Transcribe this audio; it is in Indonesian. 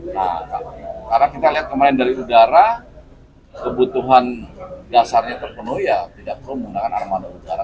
nah karena kita lihat kemarin dari udara kebutuhan dasarnya terpenuhi ya tidak perlu menggunakan armada udara